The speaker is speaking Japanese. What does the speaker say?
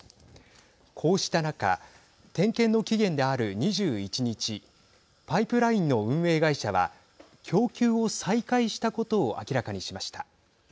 こうした中点検の期限である２１日パイプラインの運営会社は供給を再開したことを明らかにしました。